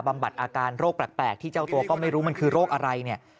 บัดอาการโรคแปลกที่เจ้าตัวก็ไม่รู้มันคือโรคอะไรเนี่ย